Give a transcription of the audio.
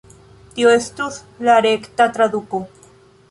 Tio estus la rekta traduko